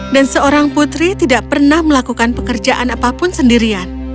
dan seorang putri tidak pernah melakukan pekerjaan apapun sendirian